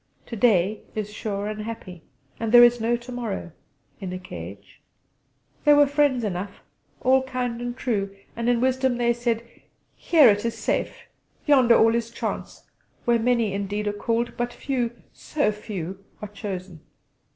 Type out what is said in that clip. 'To day' is sure and happy; and there is no 'to morrow' in a cage. There were friends enough all kind and true and in their wisdom they said: "Here it is safe: yonder all is chance, where many indeed are called, but few so few are chosen.